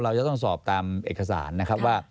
เราจะต้องสอบตามเอกสารนะครับว่า